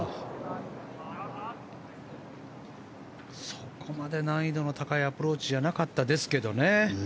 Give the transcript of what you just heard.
そこまで難易度の高いアプローチじゃなかったですけどね。